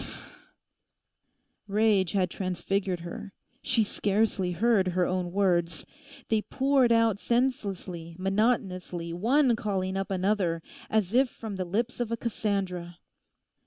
Phh!' Rage had transfigured her. She scarcely heard her own words. They poured out senselessly, monotonously, one calling up another, as if from the lips of a Cassandra.